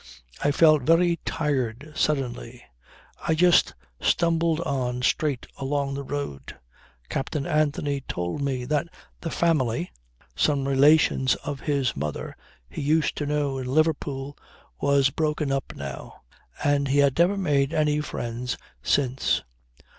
I felt very tired suddenly. I just stumbled on straight along the road. Captain Anthony told me that the family some relations of his mother he used to know in Liverpool was broken up now, and he had never made any friends since.